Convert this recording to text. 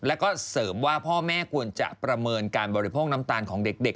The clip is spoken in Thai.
แล้วก็เสริมว่าพ่อแม่ควรจะประเมินการบริโภคน้ำตาลของเด็ก